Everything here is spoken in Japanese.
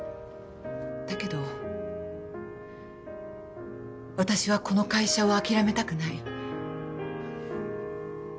だけど私はこの会社を諦めたくない。